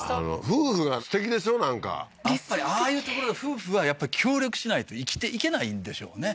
夫婦がすてきでしょなんかやっぱりああいう所で夫婦はやっぱり協力しないと生きていけないんでしょうね